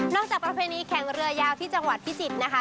จากประเพณีแข่งเรือยาวที่จังหวัดพิจิตรนะคะ